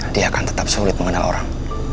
dia akan tetap sulit mengenal orang